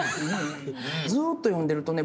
ずっと読んでるとね